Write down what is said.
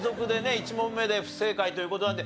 １問目で不正解という事なんで。